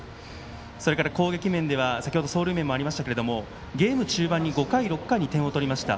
攻撃面では先ほど走塁面がありましたがゲーム中盤に５回、６回に点を取りました。